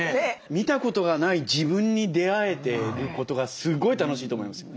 見たことがない自分に出会えてることがすごい楽しいと思いますよ。